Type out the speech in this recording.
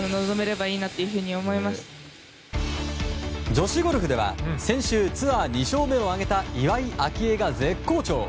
女子ゴルフでは先週ツアー２勝目を挙げた岩井明愛が絶好調！